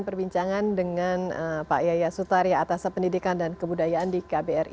mencoba untuk membangun